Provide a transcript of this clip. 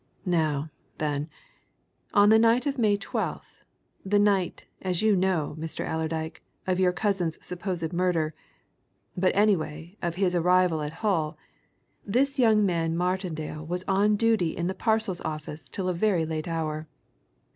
Now, then on the night of May 12th the night, as you know, Mr. Allerdyke, of your cousin's supposed murder, but anyway, of his arrival at Hull this young man Martindale was on duty in the parcels office till a very late hour.